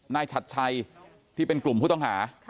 ฉัดชัยที่เป็นกลุ่มผู้ต้องหา